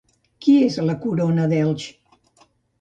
Qui és la Corona d'Elx?